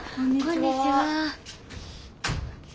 こんにちは。